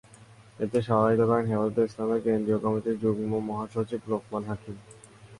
এতে সভাপতিত্ব করেন হেফাজতে ইসলামের কেন্দ্রীয় কমিটির যুগ্ম মহাসচিব লোকমান হাকিম।